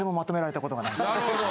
なるほど。